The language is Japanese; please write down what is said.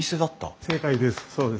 正解です。